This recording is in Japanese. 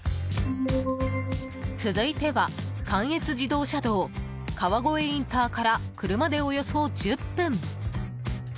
続いては関越自動車道川越インターから車でおよそ１０分。